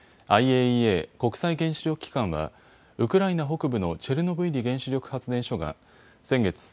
ＩＡＥＡ・国際原子力機関はウクライナ北部のチェルノブイリ原子力発電所が先月